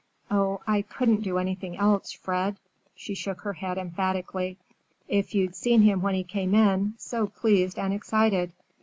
Oh, I couldn't do anything else, Fred,"—she shook her head emphatically. "If you'd seen him when he came in, so pleased and excited!